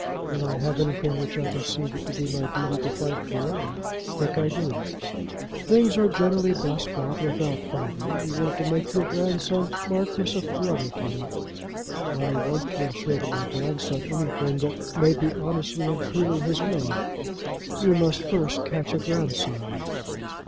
"When I have anything which I conceive it to be my duty to fight for, I think I do." "Things are generally best got without fighting. You want to make your grandson Marquis of Brotherton." "I want to ensure to my grandson anything that may be honestly and truly his own." "You must first catch a grandson."